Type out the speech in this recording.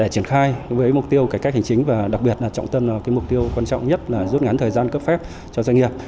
trong lĩnh vực cải cách hành chính và đặc biệt là trọng tâm là mục tiêu quan trọng nhất là rút ngắn thời gian cấp phép cho doanh nghiệp